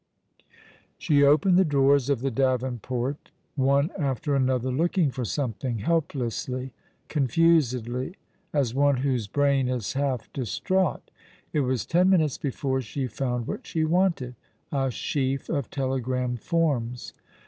She opened the drawers of the davenport one after another, looking for something — helplessly, confusedly, as one whose 54 ^^^ along the River, brain is half distraught. It was ten minutes before she found what she wanted — a sheaf of telegram forms.